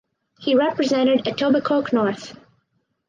He represented Etobicoke North.